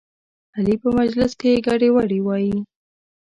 علي په مجلس کې ګډې وډې وایي.